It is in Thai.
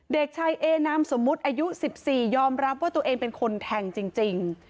เด็กชายเอนามสมมุติอายุ๑๔ยอมรับว่าตัวเองเป็นคนแทงจริง